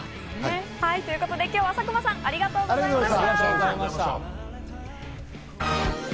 ということで今日は佐久間さん、ありがとうございました。